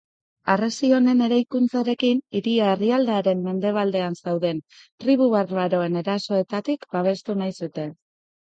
Harresi honen eraikuntzarekin, hiria herrialdearen mendebaldean zeuden tribu barbaroen erasoetatik babestu nahi zuten.